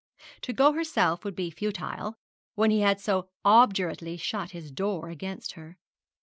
To go herself would be futile, when he had so obdurately shut his door against her.